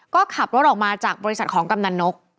ก็ขับรถออกมาจากบริษัทของกำนันนก